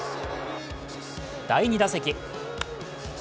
第２打席。